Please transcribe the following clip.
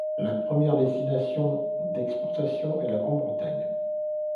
La première destination d'exportation est la Grande-Bretagne.